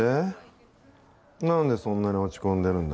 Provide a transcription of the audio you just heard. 何でそんなに落ち込んでるんだ